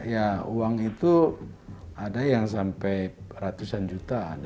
ya uang itu ada yang sampai ratusan juta ada